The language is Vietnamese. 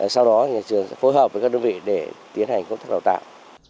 sau đó nhà trường sẽ phối hợp với các đơn vị để tiến hành công tác đào tạo